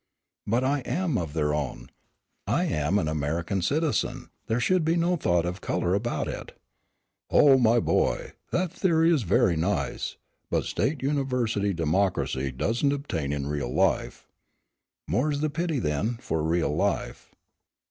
"But I am of their own. I am an American citizen, there should be no thought of color about it." "Oh, my boy, that theory is very nice, but State University democracy doesn't obtain in real life." "More's the pity, then, for real life."